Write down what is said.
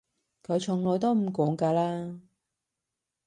佢從來都唔講㗎啦